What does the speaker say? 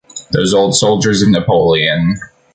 Those old soldiers of Napoleon!